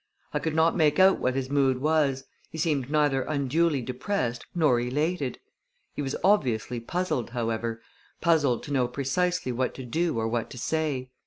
I could not make out what his mood was, He seemed neither unduly depressed nor elated. He was obviously puzzled, however puzzled to know precisely what to do or what to say.